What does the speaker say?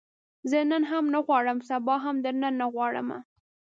زه نن هم نه غواړم، سبا هم درنه نه غواړمه